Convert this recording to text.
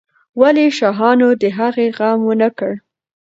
ولې شاهانو د هغې غم ونه کړ؟